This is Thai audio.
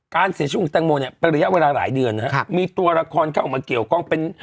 การเสียชีวิตของแตงโมเนี่ยเป็นระยะเวลาหลายเดือนนะครับมีตัวละครเข้ามาเกี่ยวข้องเป็น